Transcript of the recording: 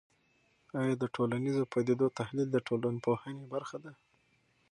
آیا د ټولنیزو پدیدو تحلیل د ټولنپوهنې برخه ده؟